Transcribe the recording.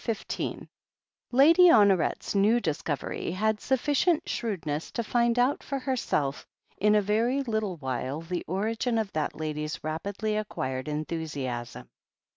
XV Lady Honoret's new discovery had sufficient shrewdness to find out for herself in a very little while the origin of that lady's rapidly acquired enthusiasm.